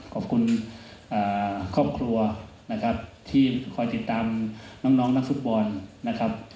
ขอบคุณครอบครัวนะครับที่คอยติดตามน้องนักฟุตบอลนะครับ